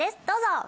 どうぞ！